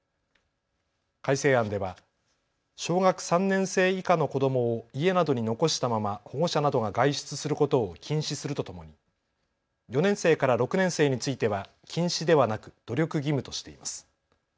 改正案では小学３年生以下の子どもを家などに残したまま保護者などが外出することを禁止するとともに４年生から６年生については禁止ではなく努力義務としています。